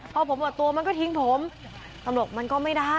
พอผมหมดตัวมันก็ทิ้งผมตำรวจมันก็ไม่ได้